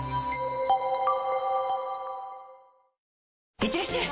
いってらっしゃい！